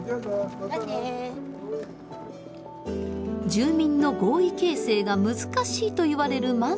住民の合意形成が難しいといわれるマンション。